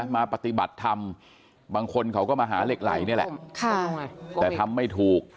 มาปฏิบัติธรรมบางคนเขาก็มาหาเหล็กไหลนี่แหละแต่ทำไม่ถูก